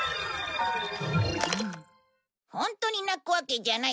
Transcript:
ホントに泣くわけじゃない。